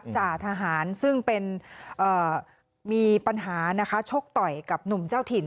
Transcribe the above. จ่าทหารซึ่งเป็นมีปัญหานะคะชกต่อยกับหนุ่มเจ้าถิ่น